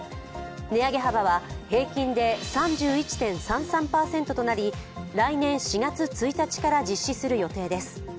値上げ幅は平均で３１．３３％となり来年４月１日から実施する予定です。